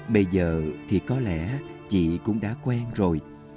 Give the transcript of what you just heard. bây giờ thì có lẽ chị cũng đã quen rồi